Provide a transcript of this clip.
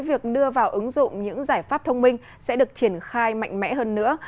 việc đưa vào ứng dụng những giải pháp thông minh sẽ được triển khai mạnh mẽ hơn nữa